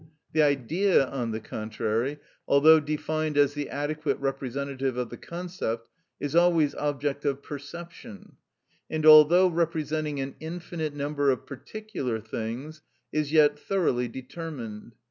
The Idea on the contrary, although defined as the adequate representative of the concept, is always object of perception, and although representing an infinite number of particular things, is yet thoroughly determined.